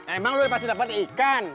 emang udah pasti dapat ikan